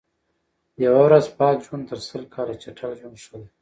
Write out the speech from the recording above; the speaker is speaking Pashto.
یوه ورځ پاک ژوند تر سل کال چټل ژوند ښه دئ.